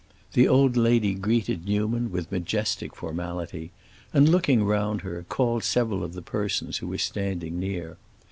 The old lady greeted Newman with majestic formality, and looking round her, called several of the persons who were standing near.